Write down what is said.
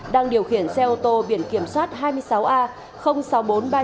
đang điều khiển xe ô tô biển kiểm soát hai mươi sáu a sáu nghìn bốn trăm ba mươi